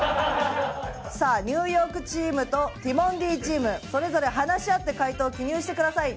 さあニューヨークチームとティモンディチームそれぞれ話し合って解答を記入してください。